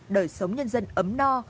đời sống nhân dân ấm no